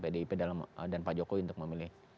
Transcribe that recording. pdip dan pak jokowi untuk memilih